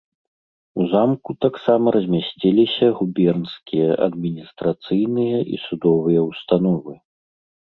У замку таксама размясціліся губернскія адміністрацыйныя і судовыя ўстановы.